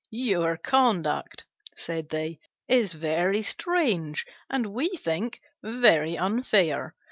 "Your conduct," said they, "is very strange and, we think, very unfair.